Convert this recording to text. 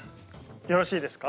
よろしいですか？